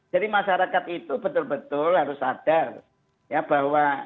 masyarakat itu betul betul harus sadar ya bahwa